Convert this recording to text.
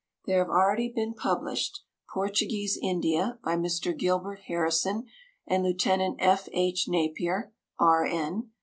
There have already been published: Portuguese India, by Mr. Gilbert Harrison and Lieut. F. H. Napier, R.N.